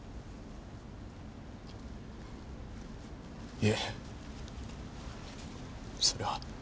いえそれは。